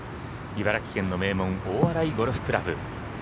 茨城県の名門・大洗ゴルフ倶楽部。